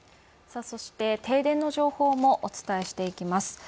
停電の情報もお伝えしていきます